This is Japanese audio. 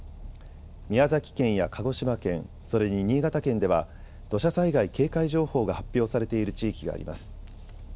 宮崎県や鹿児島県、それに新潟県では土砂災害警戒情報が発表されている地域があります。